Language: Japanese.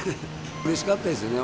うれしかったですよね。